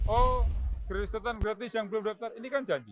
oh gresetan gratis yang belum daftar ini kan janji